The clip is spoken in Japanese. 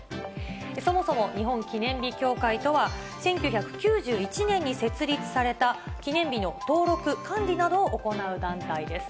そもそも日本記念日協会とは、１９９１年に設立された、記念日の登録、管理などを行う団体です。